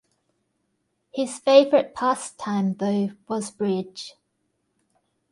His favourite pastime though was bridge.